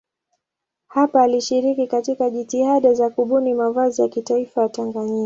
Hapa alishiriki katika jitihada za kubuni mavazi ya kitaifa ya Tanganyika.